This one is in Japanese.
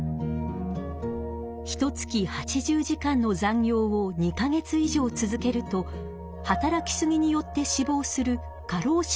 ひとつき８０時間の残業を２か月以上続けると働きすぎによって死ぼうする「過労死」の危険があるとされています。